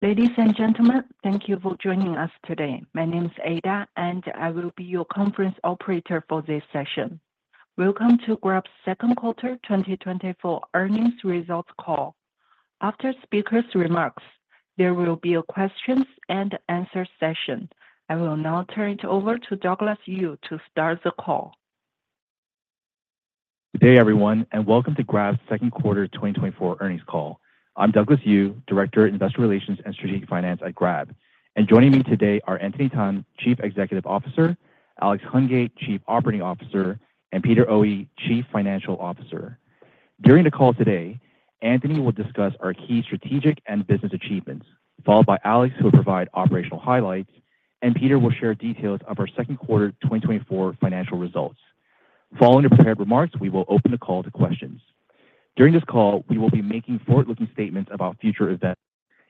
Ladies and gentlemen, thank you for joining us today. My name is Ada, and I will be your conference operator for this session. Welcome to Grab's second quarter 2024 earnings results call. After speakers' remarks, there will be a questions and answer session. I will now turn it over to Douglas Yu to start the call. Good day, everyone, and welcome to Grab's second quarter 2024 earnings call. I'm Douglas Yu, Director, Investor Relations and Strategic Finance at Grab. Joining me today are Anthony Tan, Chief Executive Officer, Alex Hungate, Chief Operating Officer, and Peter Oey, Chief Financial Officer. During the call today, Anthony will discuss our key strategic and business achievements, followed by Alex, who will provide operational highlights, and Peter will share details of our second quarter 2024 financial results. Following the prepared remarks, we will open the call to questions. During this call, we will be making forward-looking statements about future events,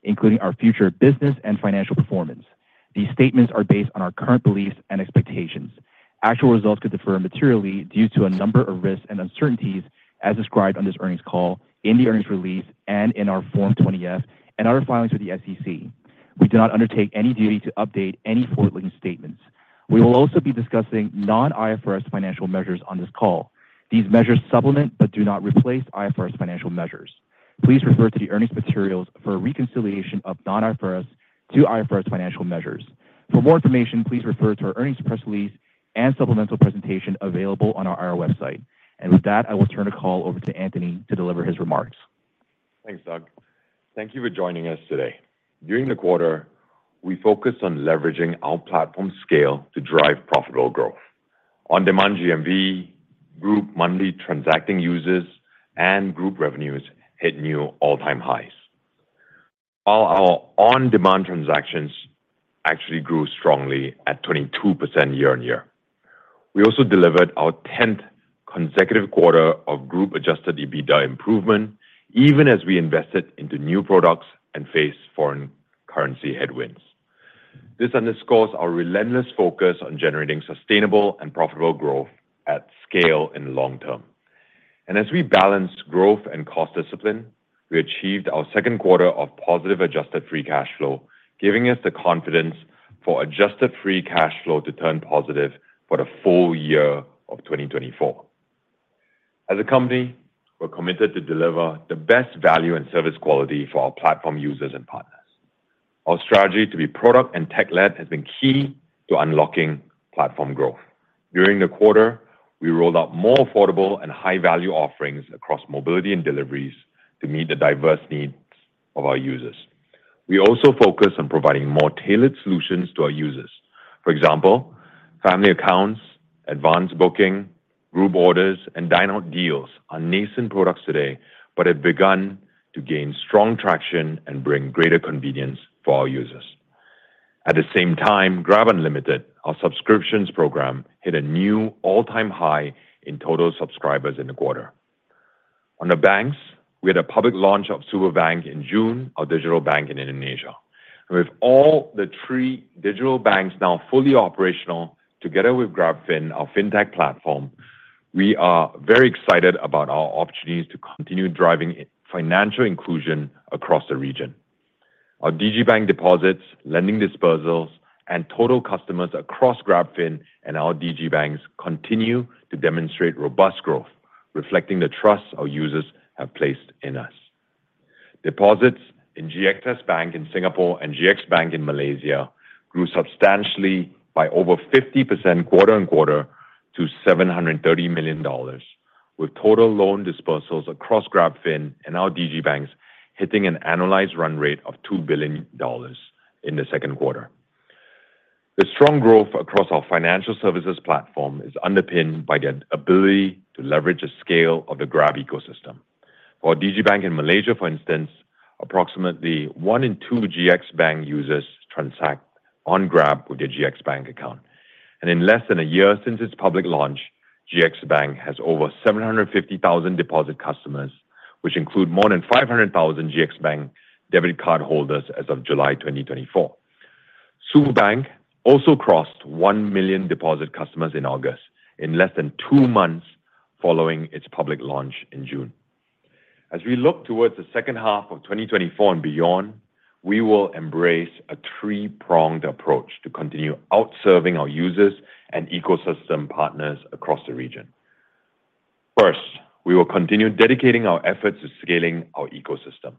including our future business and financial performance. These statements are based on our current beliefs and expectations. Actual results could differ materially due to a number of risks and uncertainties as described on this earnings call, in the earnings release, and in our Form 20-F and other filings with the SEC. We do not undertake any duty to update any forward-looking statements. We will also be discussing non-IFRS financial measures on this call. These measures supplement but do not replace IFRS financial measures. Please refer to the earnings materials for a reconciliation of non-IFRS to IFRS financial measures. For more information, please refer to our earnings press release and supplemental presentation available on our website. With that, I will turn the call over to Anthony to deliver his remarks. Thanks, Doug. Thank you for joining us today. During the quarter, we focused on leveraging our platform scale to drive profitable growth. On-demand GMV, group monthly transacting users, and group revenues hit new all-time highs, while our on-demand transactions actually grew strongly at 22% year-on-year. We also delivered our 10th consecutive quarter of group-adjusted EBITDA improvement, even as we invested into new products and faced foreign currency headwinds. This underscores our relentless focus on generating sustainable and profitable growth at scale and long term. And as we balance growth and cost discipline, we achieved our 2nd quarter of positive adjusted free cash flow, giving us the confidence for adjusted free cash flow to turn positive for the full year of 2024. As a company, we're committed to deliver the best value and service quality for our platform users and partners. Our strategy to be product and tech-led has been key to unlocking platform growth. During the quarter, we rolled out more affordable and high-value offerings across mobility and deliveries to meet the diverse needs of our users. We also focus on providing more tailored solutions to our users. For example, Family Accounts, advance booking, Group Orders, and Dine Out deals are nascent products today, but have begun to gain strong traction and bring greater convenience for our users. At the same time, GrabUnlimited, our subscription program, hit a new all-time high in total subscribers in the quarter. On the banks, we had a public launch of Superbank in June, our digital bank in Indonesia. With all the three digital banks now fully operational, together with GrabFin, our Fintech platform, we are very excited about our opportunities to continue driving financial inclusion across the region. Our digital bank deposits, lending dispersals, and total customers across GrabFin and our digital banks continue to demonstrate robust growth, reflecting the trust our users have placed in us. Deposits in GXS Bank in Singapore and GXBank in Malaysia grew substantially by over 50% quarter-on-quarter to $730 million, with total loan dispersals across GrabFin and our digital banks hitting an annualized run rate of $2 billion in the second quarter. The strong growth across our financial services platform is underpinned by the ability to leverage the scale of the Grab ecosystem. For digital bank in Malaysia, for instance, approximately one in two GXBank users transact on Grab with their GXBank account. In less than a year since its public launch, GXBank has over 750,000 deposit customers, which include more than 500,000 GXBank debit cardholders as of July 2024. Superbank also crossed 1,000,000 deposit customers in August 2024, in less than two months following its public launch in June 2024. As we look towards the second half of 2024 and beyond, we will embrace a three-pronged approach to continue out-serving our users and ecosystem partners across the region. First, we will continue dedicating our efforts to scaling our ecosystem.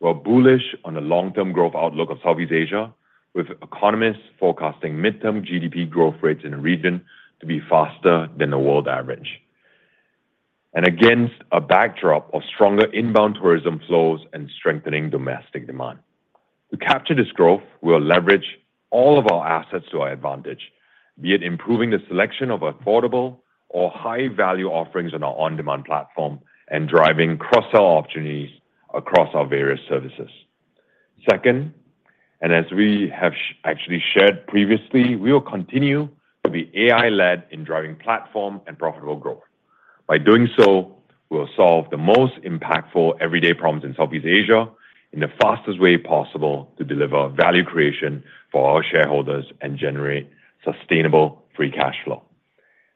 We are bullish on the long-term growth outlook of Southeast Asia, with economists forecasting midterm GDP growth rates in the region to be faster than the world average, and against a backdrop of stronger inbound tourism flows and strengthening domestic demand. To capture this growth, we'll leverage all of our assets to our advantage, be it improving the selection of affordable or high-value offerings on our on-demand platform and driving cross-sell opportunities across our various services. Second, and as we have actually shared previously, we will continue to be AI-led in driving platform and profitable growth. By doing so, we will solve the most impactful everyday problems in Southeast Asia in the fastest way possible to deliver value creation for our shareholders and generate sustainable free cash flow.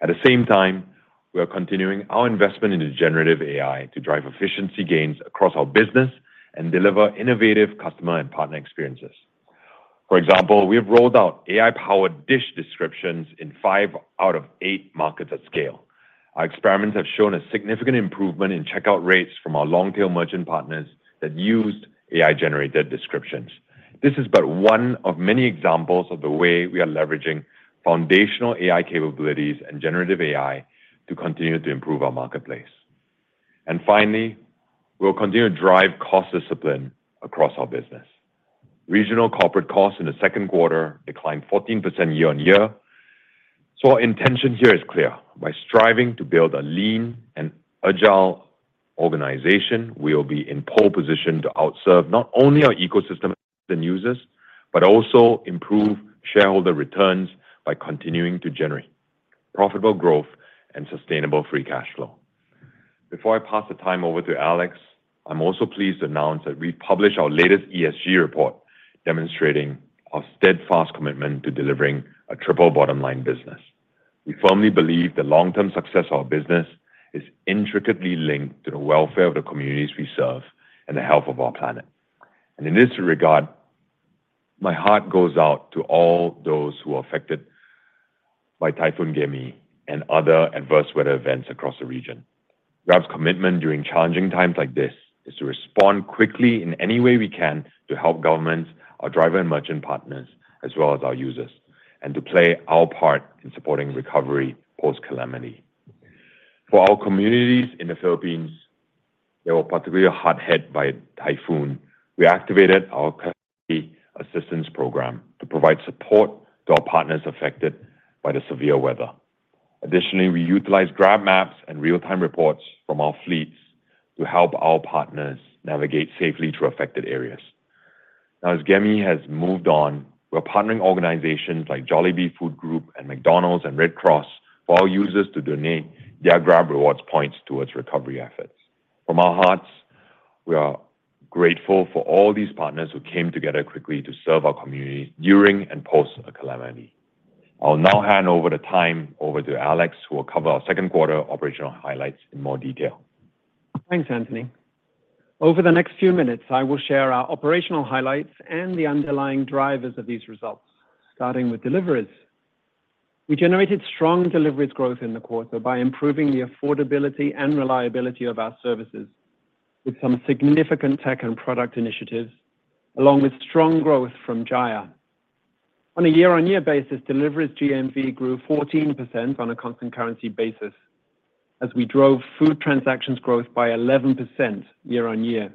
At the same time, we are continuing our investment in the generative AI to drive efficiency gains across our business and deliver innovative customer and partner experiences. For example, we have rolled out AI-powered dish descriptions in five out of eight markets at scale. Our experiments have shown a significant improvement in checkout rates from our long-tail merchant partners that used AI-generated descriptions. This is but one of many examples of the way we are leveraging foundational AI capabilities and generative AI to continue to improve our marketplace. And finally, we'll continue to drive cost discipline across our business. Regional corporate costs in the second quarter declined 14% year-on-year, so our intention here is clear. By striving to build a lean and agile organization, we will be in pole position to outserve not only our ecosystem and users, but also improve shareholder returns by continuing to generate profitable growth and sustainable free cash flow. Before I pass the time over to Alex, I'm also pleased to announce that we published our latest ESG report, demonstrating our steadfast commitment to delivering a Triple Bottom Line business. We firmly believe the long-term success of our business is intricately linked to the welfare of the communities we serve and the health of our planet. In this regard, my heart goes out to all those who are affected by Typhoon Gaemi and other adverse weather events across the region. Grab's commitment during challenging times like this is to respond quickly in any way we can to help governments, our driver and merchant partners, as well as our users, and to play our part in supporting recovery post-calamity. For our communities in the Philippines, they were particularly hard hit by a typhoon. We activated our Community Assistance Program to provide support to our partners affected by the severe weather. Additionally, we utilized GrabMaps and real-time reports from our fleets to help our partners navigate safely through affected areas. Now, as Gaemi has moved on, we're partnering organizations like Jollibee Group and McDonald's and Red Cross for our users to donate their GrabRewards points towards recovery efforts. From our hearts, we are grateful for all these partners who came together quickly to serve our communities during and post a calamity. I'll now hand over the time to Alex, who will cover our second quarter operational highlights in more detail. Thanks, Anthony. Over the next few minutes, I will share our operational highlights and the underlying drivers of these results, starting with deliveries. We generated strong deliveries growth in the quarter by improving the affordability and reliability of our services with some significant tech and product initiatives, along with strong growth from Jaya. On a year-on-year basis, deliveries GMV grew 14% on a constant currency basis as we drove food transactions growth by 11% year-on-year.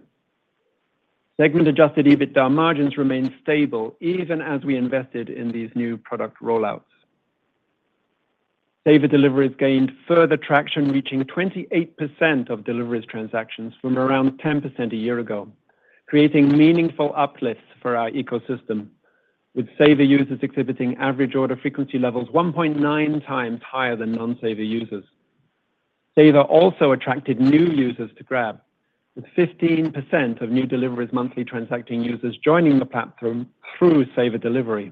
Segment-adjusted EBITDA margins remained stable, even as we invested in these new product rollouts. Saver Deliveries gained further traction, reaching 28% of deliveries transactions from around 10% a year ago, creating meaningful uplifts for our ecosystem, with Saver users exhibiting average order frequency levels 1.9 times higher than non-Saver users. Saver also attracted new users to Grab, with 15% of new deliveries monthly transacting users joining the platform through Saver Delivery.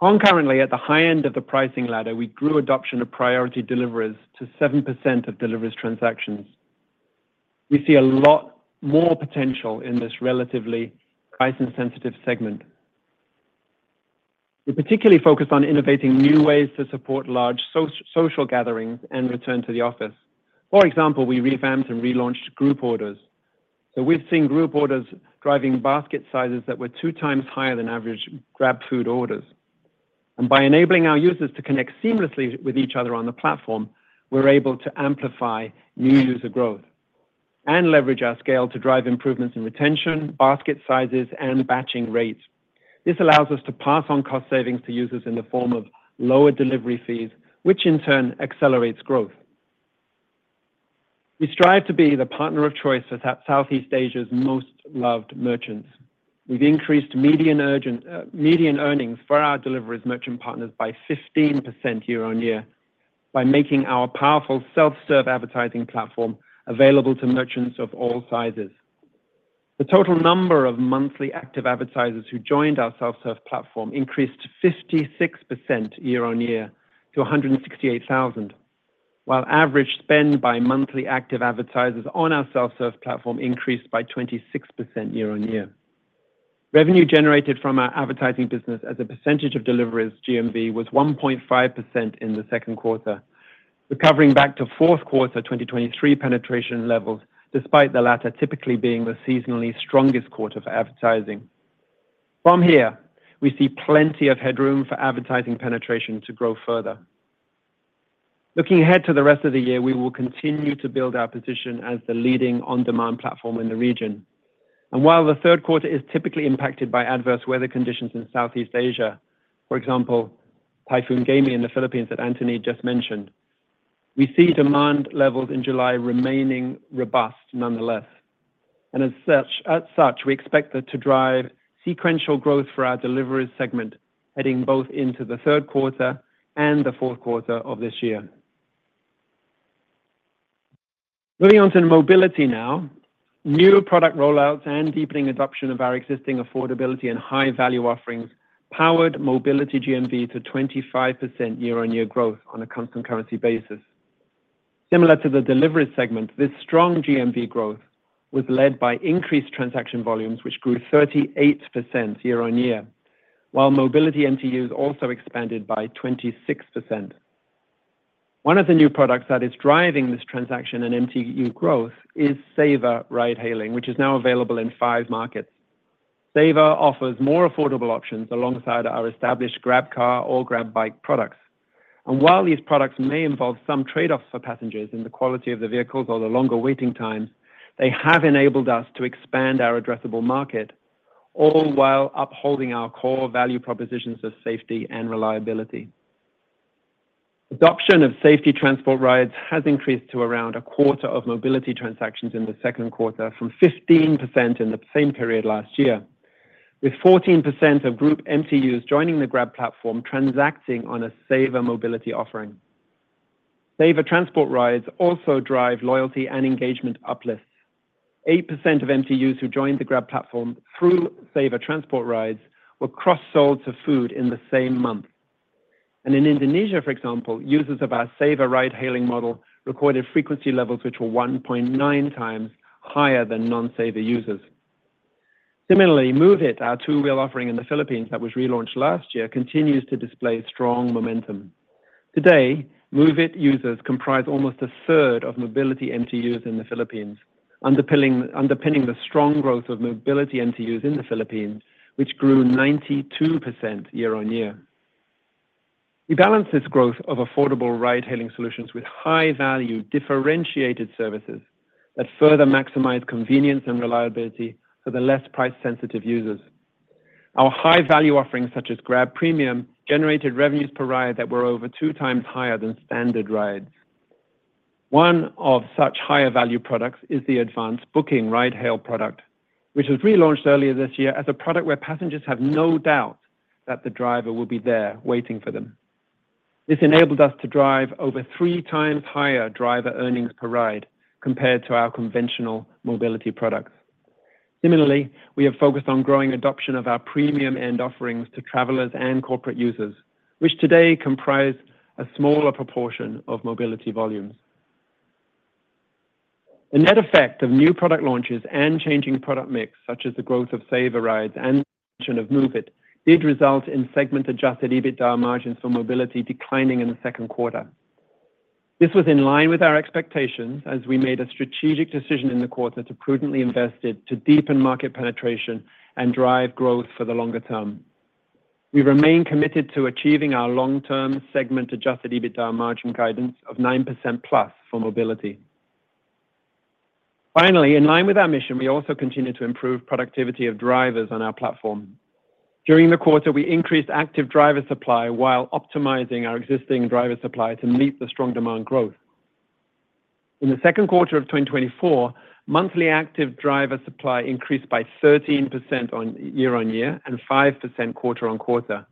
Concurrently, at the high end of the pricing ladder, we grew adoption of priority deliveries to 7% of deliveries transactions. We see a lot more potential in this relatively price-insensitive segment. We're particularly focused on innovating new ways to support large social gatherings and return to the office. For example, we revamped and relaunched Group Orders, so we've seen Group Orders driving basket sizes that were 2 times higher than average GrabFood orders. By enabling our users to connect seamlessly with each other on the platform, we're able to amplify new user growth and leverage our scale to drive improvements in retention, basket sizes, and batching rates. This allows us to pass on cost savings to users in the form of lower delivery fees, which in turn accelerates growth. We strive to be the partner of choice at Southeast Asia's most loved merchants. We've increased median earnings for our deliveries merchant partners by 15% year-on-year by making our powerful self-serve advertising platform available to merchants of all sizes. The total number of monthly active advertisers who joined our self-serve platform increased 56% year-on-year to 168,000, while average spend by monthly active advertisers on our self-serve platform increased by 26% year-on-year. Revenue generated from our advertising business as a percentage of deliveries GMV was 1.5% in the second quarter, recovering back to fourth quarter 2023 penetration levels, despite the latter typically being the seasonally strongest quarter for advertising. From here, we see plenty of headroom for advertising penetration to grow further. Looking ahead to the rest of the year, we will continue to build our position as the leading on-demand platform in the region. While the third quarter is typically impacted by adverse weather conditions in Southeast Asia, for example, Typhoon Gaemi in the Philippines that Anthony just mentioned, we see demand levels in July remaining robust nonetheless. As such, we expect that to drive sequential growth for our delivery segment, heading both into the third quarter and the fourth quarter of this year. Moving on to Mobility now. New product rollouts and deepening adoption of our existing affordability and high-value offerings powered Mobility GMV to 25% year-on-year growth on a constant currency basis. Similar to the Delivery segment, this strong GMV growth was led by increased transaction volumes, which grew 38% year-on-year, while Mobility MTUs also expanded by 26%. One of the new products that is driving this transaction and MTU growth is SaveUp ride-hailing, which is now available in five markets. SaveUp offers more affordable options alongside our established GrabCar or GrabBike products. While these products may involve some trade-offs for passengers in the quality of the vehicles or the longer waiting times, they have enabled us to expand our addressable market, all while upholding our core value propositions of safety and reliability. Adoption of Saver transport rides has increased to around a quarter of mobility transactions in the second quarter, from 15% in the same period last year, with 14% of group MTUs joining the Grab platform, transacting on a SaveUp mobility offering. SaveUp transport rides also drive loyalty and engagement uplifts. 8% of MTUs who joined the Grab platform through SaveUp transport rides were cross-sold to food in the same month. And in Indonesia, for example, users of our SaveUp ride-hailing model recorded frequency levels, which were 1.9 times higher than non-SaveUp users. Similarly, MOVE IT, our two-wheel offering in the Philippines that was relaunched last year, continues to display strong momentum. Today, MOVE IT users comprise almost a third of Mobility MTUs in the Philippines, underpinning the strong growth of Mobility MTUs in the Philippines, which grew 92% year-on-year. We balance this growth of affordable ride-hailing solutions with high-value, differentiated services that further maximize convenience and reliability for the less price-sensitive users. Our high-value offerings, such as GrabPremium, generated revenues per ride that were over 2 times higher than standard rides. One of such higher-value products is the Advance Booking ride-hail product, which was relaunched earlier this year as a product where passengers have no doubt that the driver will be there waiting for them. This enabled us to drive over 3 times higher driver earnings per ride compared to our conventional mobility products. Similarly, we have focused on growing adoption of our premium-end offerings to travelers and corporate users, which today comprise a smaller proportion of mobility volumes. The net effect of new product launches and changing product mix, such as the growth of SaveUp rides and of MOVE IT, did result in segment-adjusted EBITDA margins for Mobility declining in the second quarter. This was in line with our expectations as we made a strategic decision in the quarter to prudently invest it, to deepen market penetration and drive growth for the longer term. We remain committed to achieving our long-term segment-adjusted EBITDA margin guidance of 9%+ for Mobility. Finally, in line with our mission, we also continue to improve productivity of drivers on our platform. During the quarter, we increased active driver supply while optimizing our existing driver supply to meet the strong demand growth. In the second quarter of 2024, monthly active driver supply increased by 13% year-on-year and 5% quarter-on-quarter,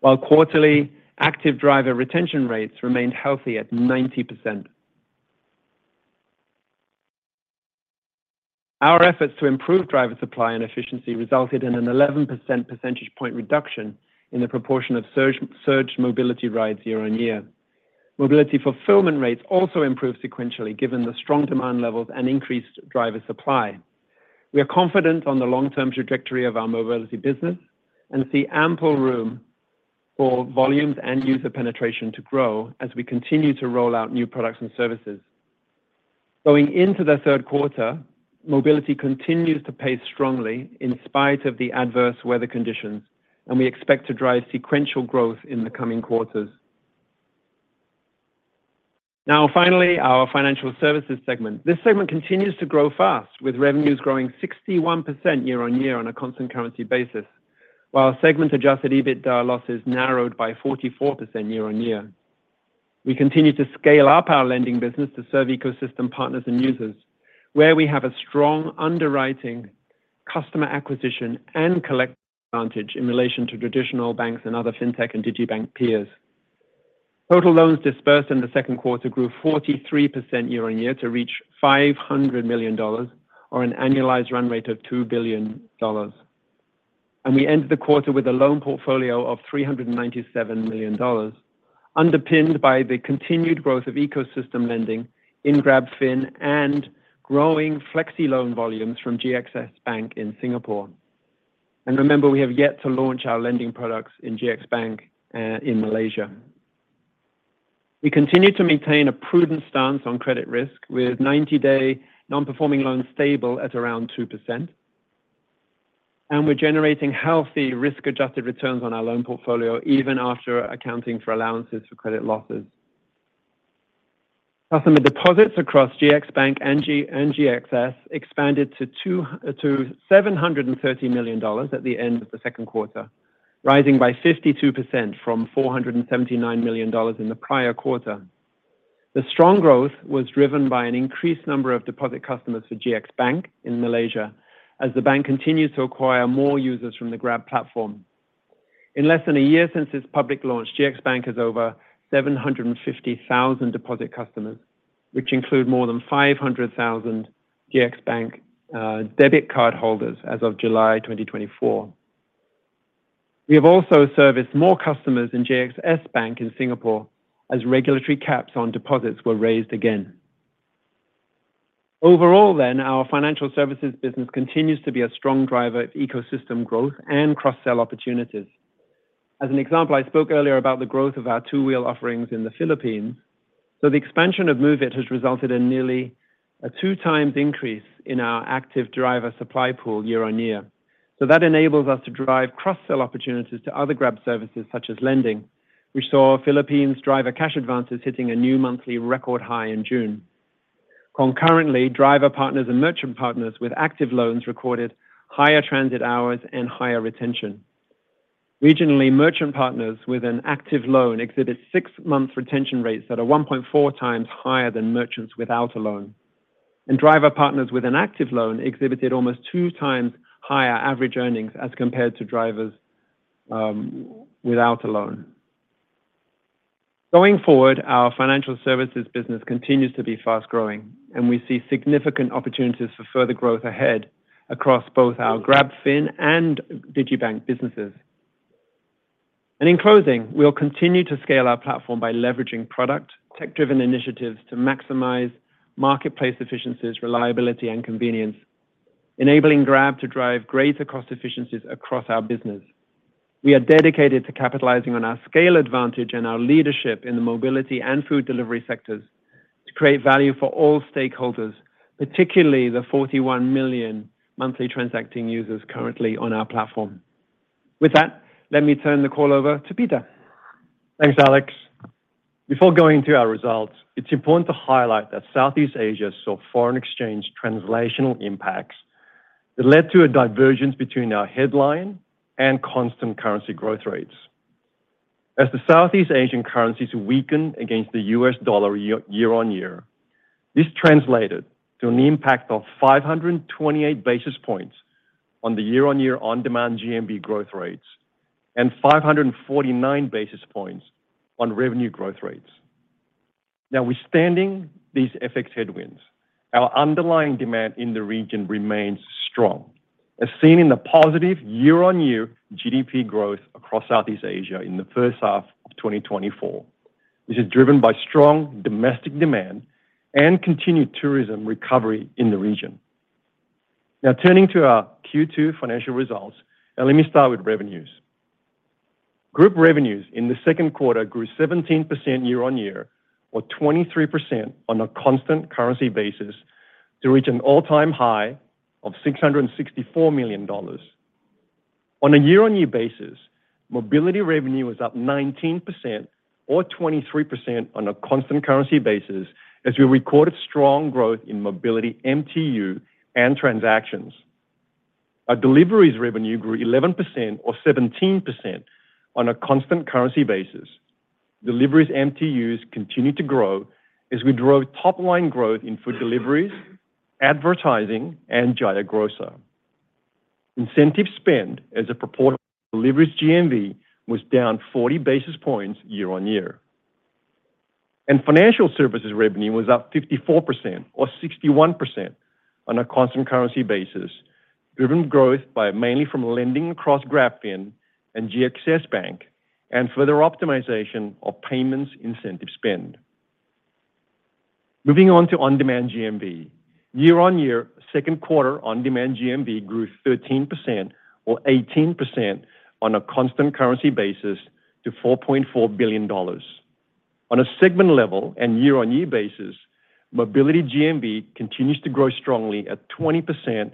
while quarterly active driver retention rates remained healthy at 90%. Our efforts to improve driver supply and efficiency resulted in an eleven percent percentage point reduction in the proportion of surge, surge mobility rides year-on-year. Mobility fulfillment rates also improved sequentially, given the strong demand levels and increased driver supply. We are confident on the long-term trajectory of our Mobility business and see ample room for volumes and user penetration to grow as we continue to roll out new products and services. Going into the third quarter, Mobility continues to pace strongly in spite of the adverse weather conditions, and we expect to drive sequential growth in the coming quarters. Now, finally, our Financial Services segment. This segment continues to grow fast, with revenues growing 61% year-on-year on a constant currency basis, while our segment-adjusted EBITDA losses narrowed by 44% year-on-year. We continue to scale up our lending business to serve ecosystem partners and users, where we have a strong underwriting, customer acquisition, and collect advantage in relation to traditional banks and other fintech and digibank peers. Total loans disbursed in the second quarter grew 43% year-on-year to reach $500 million, or an annualized run rate of $2 billion. We ended the quarter with a loan portfolio of $397 million, underpinned by the continued growth of ecosystem lending in GrabFin and growing FlexiLoan volumes from GXS Bank in Singapore. Remember, we have yet to launch our lending products in GXBank in Malaysia. We continue to maintain a prudent stance on credit risk, with ninety-day non-performing loans stable at around 2%, and we're generating healthy risk-adjusted returns on our loan portfolio, even after accounting for allowances for credit losses. Customer deposits across GXBank and GXS expanded to $230 million at the end of the second quarter, rising by 52% from $479 million in the prior quarter. The strong growth was driven by an increased number of deposit customers for GXBank in Malaysia, as the bank continued to acquire more users from the Grab platform.... In less than a year since its public launch, GXBank has over 750,000 deposit customers, which include more than 500,000 GXBank debit card holders as of July 2024. We have also serviced more customers in GXS Bank in Singapore as regulatory caps on deposits were raised again. Overall then, our financial services business continues to be a strong driver of ecosystem growth and cross-sell opportunities. As an example, I spoke earlier about the growth of our two-wheel offerings in the Philippines, so the expansion of MOVE IT has resulted in nearly a 2 times increase in our active driver supply pool year-on-year. So that enables us to drive cross-sell opportunities to other Grab services such as lending. We saw Philippines driver cash advances hitting a new monthly record high in June. Concurrently, driver partners and merchant partners with active loans recorded higher transit hours and higher retention. Regionally, merchant partners with an active loan exhibited six-month retention rates that are 1.4 times higher than merchants without a loan. And driver partners with an active loan exhibited almost 2 times higher average earnings as compared to drivers without a loan. Going forward, our financial services business continues to be fast-growing, and we see significant opportunities for further growth ahead across both our GrabFin and Digibank businesses. In closing, we'll continue to scale our platform by leveraging product, tech-driven initiatives to maximize marketplace efficiencies, reliability, and convenience, enabling Grab to drive greater cost efficiencies across our business. We are dedicated to capitalizing on our scale advantage and our leadership in the mobility and food delivery sectors to create value for all stakeholders, particularly the 41 million monthly transacting users currently on our platform. With that, let me turn the call over to Peter. Thanks, Alex. Before going into our results, it's important to highlight that Southeast Asia saw foreign exchange translational impacts that led to a divergence between our headline and constant currency growth rates. As the Southeast Asian currencies weakened against the US Dollar year-on-year, this translated to an impact of 528 basis points on the year-on-year on-demand GMV growth rates, and 549 basis points on revenue growth rates. Now, notwithstanding these FX headwinds, our underlying demand in the region remains strong, as seen in the positive year-on-year GDP growth across Southeast Asia in the first half of 2024. This is driven by strong domestic demand and continued tourism recovery in the region. Now, turning to our Q2 financial results, and let me start with revenues. Group revenues in the second quarter grew 17% year-on-year or 23% on a constant currency basis to reach an all-time high of $664 million. On a year-on-year basis, mobility revenue was up 19%-23% on a constant currency basis, as we recorded strong growth in mobility, MTU, and transactions. Our deliveries revenue grew 11% or 17% on a constant currency basis. Deliveries MTUs continued to grow as we drove top-line growth in food deliveries, advertising, and Jaya Grocer. Incentive spend as a proportion of deliveries GMV was down 40 basis points year-on-year. Financial services revenue was up 54% or 61% on a constant currency basis, driven growth by mainly from lending across GrabFin and GXS Bank, and further optimization of payments incentive spend. Moving on to on-demand GMV. Year-over-year, second quarter on-demand GMV grew 13% or 18% on a constant currency basis to $4.4 billion. On a segment level and year-over-year basis, mobility GMV continues to grow strongly at 20%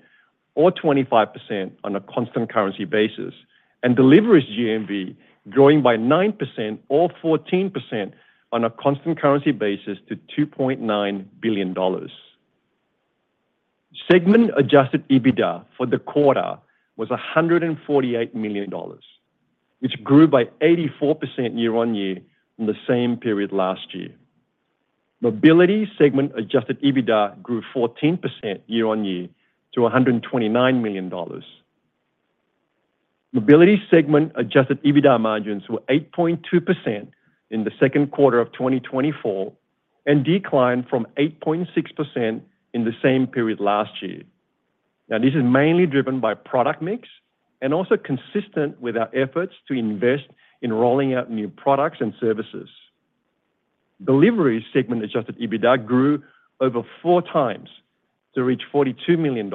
or 25% on a constant currency basis, and deliveries GMV growing by 9% or 14% on a constant currency basis to $2.9 billion. Segment-adjusted EBITDA for the quarter was $148 million, which grew by 84% year-over-year from the same period last year. Mobility segment-adjusted EBITDA grew 14% year-over-year to $129 million. Mobility segment-adjusted EBITDA margins were 8.2% in the second quarter of 2024 and declined from 8.6% in the same period last year. Now, this is mainly driven by product mix and also consistent with our efforts to invest in rolling out new products and services. Delivery segment-adjusted EBITDA grew over 4 times to reach $42 million,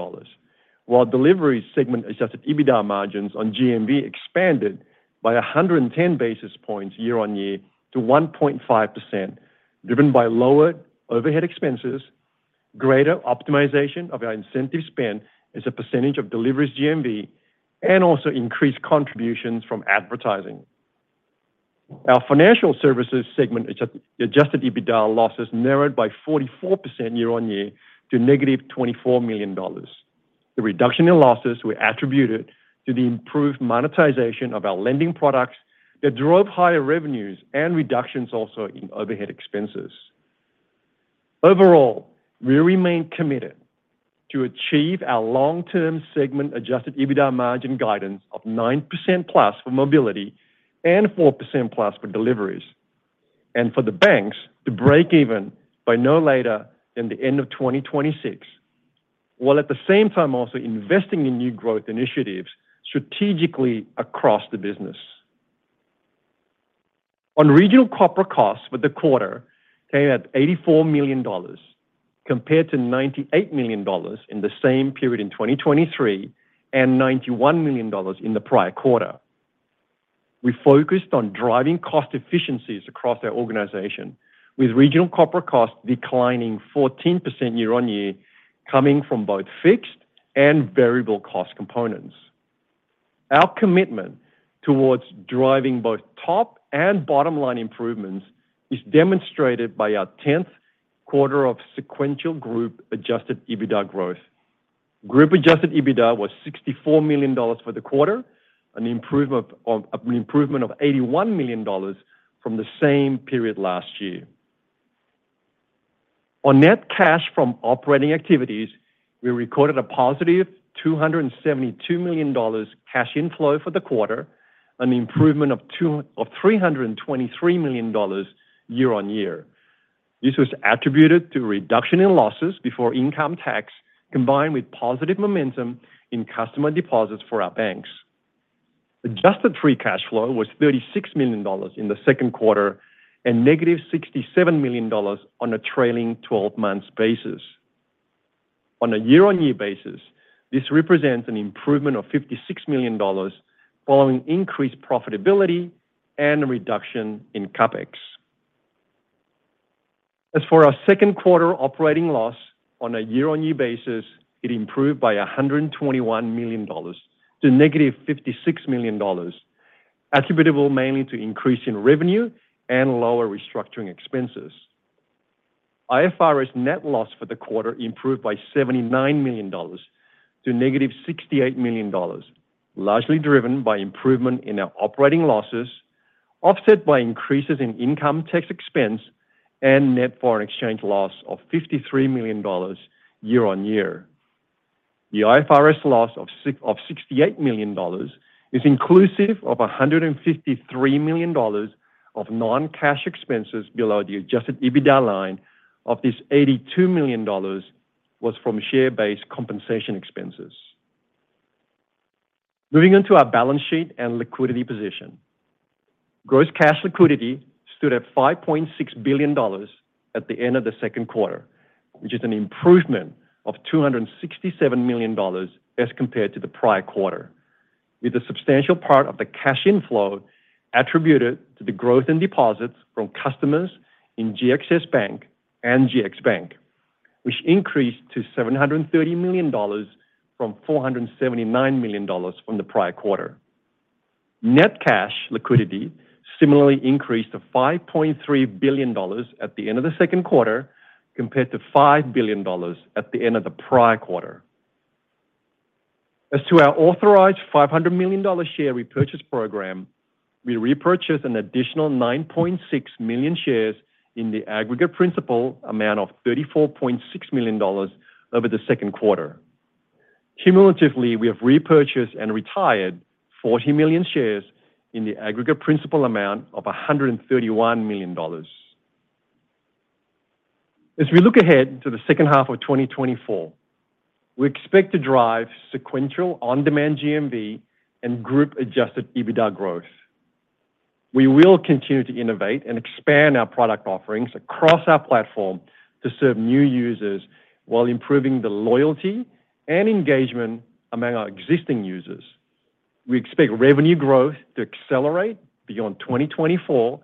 while delivery segment-adjusted EBITDA margins on GMV expanded by 110 basis points year-on-year to 1.5%, driven by lower overhead expenses, greater optimization of our incentive spend as a percentage of deliveries GMV, and also increased contributions from advertising. Our financial services segment adjusted EBITDA losses narrowed by 44% year-on-year to -$24 million. The reduction in losses were attributed to the improved monetization of our lending products that drove higher revenues and reductions also in overhead expenses. Overall, we remain committed to achieve our long-term segment adjusted EBITDA margin guidance of +9% for Mobility and +4% for Deliveries, and for the Banks to break even by no later than the end of 2026, while at the same time also investing in new growth initiatives strategically across the business. On regional corporate costs for the quarter, came at $84 million, compared to $98 million in the same period in 2023, and $91 million in the prior quarter. We focused on driving cost efficiencies across our organization, with regional corporate costs declining 14% year-on-year, coming from both fixed and variable cost components. Our commitment towards driving both top and bottom-line improvements is demonstrated by our 10th quarter of sequential group adjusted EBITDA growth. Group Adjusted EBITDA was $64 million for the quarter, an improvement of $81 million from the same period last year. On net cash from operating activities, we recorded a positive $272 million cash inflow for the quarter, an improvement of $323 million year-on-year. This was attributed to a reduction in losses before income tax, combined with positive momentum in customer deposits for our banks. Adjusted free cash flow was $36 million in the second quarter and negative $67 million on a trailing twelve-months basis. On a year-on-year basis, this represents an improvement of $56 million, following increased profitability and a reduction in CapEx. As for our second quarter operating loss on a year-on-year basis, it improved by $121 million to -$56 million, attributable mainly to increase in revenue and lower restructuring expenses. IFRS net loss for the quarter improved by $79 million to -$68 million, largely driven by improvement in our operating losses, offset by increases in income tax expense and net foreign exchange loss of $53 million year-on-year. The IFRS loss of $68 million is inclusive of $153 million of non-cash expenses below the adjusted EBITDA line. Of this, $82 million was from share-based compensation expenses. Moving on to our balance sheet and liquidity position. Gross cash liquidity stood at $5.6 billion at the end of the second quarter, which is an improvement of $267 million as compared to the prior quarter, with a substantial part of the cash inflow attributed to the growth in deposits from customers in GXS Bank and GXBank, which increased to $730 million from $479 million from the prior quarter. Net cash liquidity similarly increased to $5.3 billion at the end of the second quarter, compared to $5 billion at the end of the prior quarter. As to our authorized $500 million share repurchase program, we repurchased an additional 9.6 million shares in the aggregate principal amount of $34.6 million over the second quarter. Cumulatively, we have repurchased and retired 40 million shares in the aggregate principal amount of $131 million. As we look ahead to the second half of 2024, we expect to drive sequential on-demand GMV and group-adjusted EBITDA growth. We will continue to innovate and expand our product offerings across our platform to serve new users while improving the loyalty and engagement among our existing users. We expect revenue growth to accelerate beyond 2024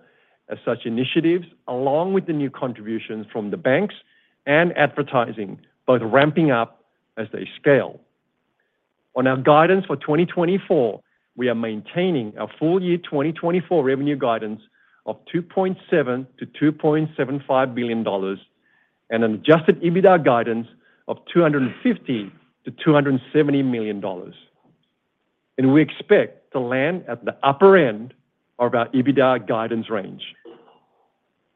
as such initiatives, along with the new contributions from the banks and advertising, both ramping up as they scale. On our guidance for 2024, we are maintaining our full-year 2024 revenue guidance of $2.7 billion-$2.75 billion, and an adjusted EBITDA guidance of $250 million-$270 million, and we expect to land at the upper end of our EBITDA guidance range.